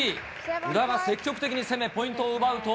宇田が積極的に攻め、ポイントを奪うと。